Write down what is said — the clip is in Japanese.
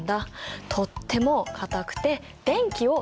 とっても硬くて電気を通さない。